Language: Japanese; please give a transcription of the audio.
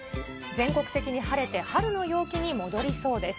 全国的に晴れて、春の陽気に戻りそうです。